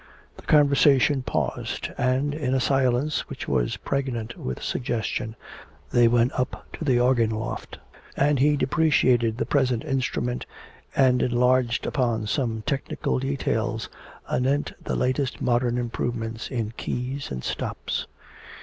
The conversation paused, and, in a silence which was pregnant with suggestion, they went up to the organ loft, and he depreciated the present instrument and enlarged upon some technical details anent the latest modern improvements in keys and stops.